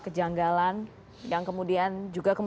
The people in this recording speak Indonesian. kejanggalan yang kemudian juga